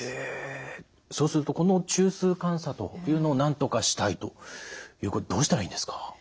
そうするとこの中枢感作というのをなんとかしたいということでどうしたらいいんですか？